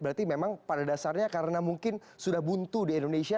berarti memang pada dasarnya karena mungkin sudah buntu di indonesia